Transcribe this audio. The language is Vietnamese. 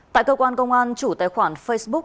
tại cơ quan công an chủ tài khoản facebook